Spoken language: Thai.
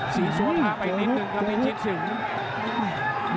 สี่ช่วงพาไปนิดนึงกับมีชิดสิงห์